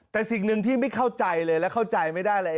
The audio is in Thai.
แต่สิ่งหนึ่งที่ไม่เข้าใจเลยและเข้าใจไม่ได้เลย